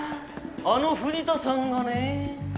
あの藤田さんがね。